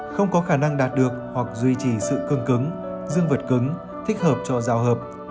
không có khả năng đạt được hoặc duy trì sự cương cứng dương vật cứng thích hợp cho giao hợp